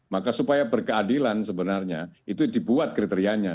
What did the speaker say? maka supaya berkeadilan sebenarnya itu dibuat kriterianya